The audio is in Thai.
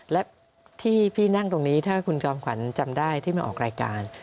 และที่พี่นั่งตรงนี้ถ้าคุณจอมขวัญจำได้ที่มาออกรายการ